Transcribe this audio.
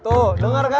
tuh denger kan